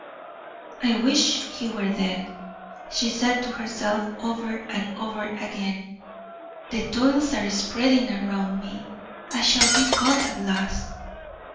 "I wish he were dead," she said to herself, over and over again. "The toils are spreading around me; I shall be caught at last."